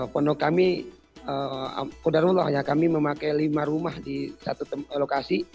pondok kami kodarullah ya kami memakai lima rumah di satu lokasi